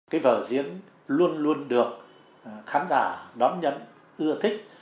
cái vở diễn luôn luôn được khán giả đón nhấn ưa thích